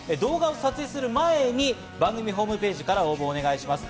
動画を撮影する前に番組ホームページから応募をお願いします。